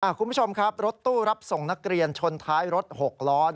คุณผู้ชมครับรถตู้รับส่งนักเรียนชนท้ายรถ๖ล้อ